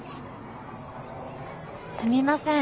すみません。